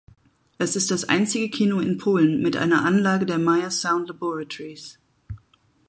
Es ist das einzige Kino in Polen mit einer Anlage der "Meyer Sound Laboratories".